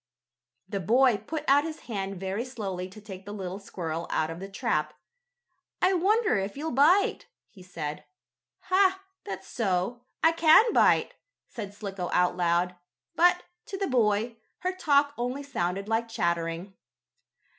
The boy put out his hand very slowly to take the little squirrel out of the trap. "I wonder if you'll bite," he said. "Ha! That's so. I can bite!" said Slicko out loud, but, to the boy, her talk only sounded like chattering.